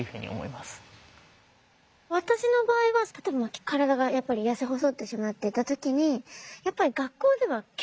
私の場合は例えば体が痩せ細ってしまっていた時にやっぱり学校では給食が出ると。